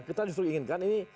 kita justru inginkan ini